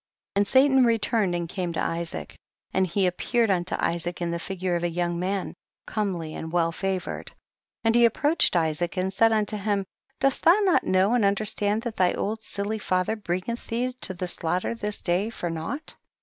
29. And Satan returned and came to Isaac ; and he appeared unto Isaac in the figure of a young man, comely and well favoured. 30. And he approached Isaac and said unto him, dost thou not know and understand that tiiy old silly father bringeth thee to the slaughter this day for nought